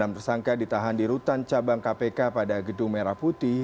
enam tersangka ditahan di rutan cabang kpk pada gedung merah putih